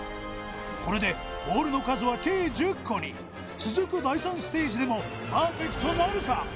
これでボールの数は計１０個に続く第３ステージでもパーフェクトなるか？